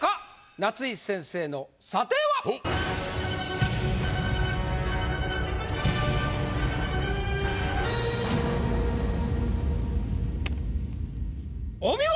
⁉夏井先生の査定は⁉お見事！